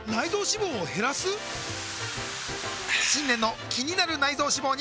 新年の気になる内臓脂肪に！